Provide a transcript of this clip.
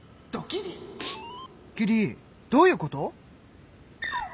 キリどういうこと！？